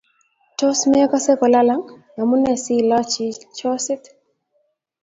Tos mekase kolalang'?amune si lachii chosit